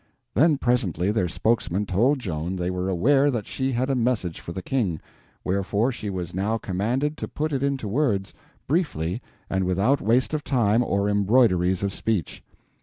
Then presently their spokesman told Joan they were aware that she had a message for the King, wherefore she was now commanded to put it into words, briefly and without waste of time or embroideries of speech.